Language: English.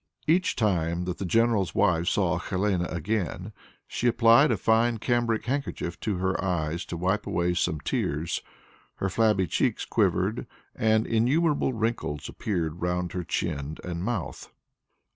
Each time that the general's wife saw Helene again, she applied a fine cambric handkerchief to her eyes to wipe away some tears, her flabby cheeks quivered, and innumerable wrinkles appeared round her chin and mouth.